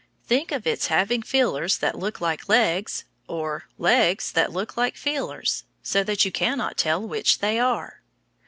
Think of its having feelers that look like legs or legs that look like feelers, so that you cannot tell which they are!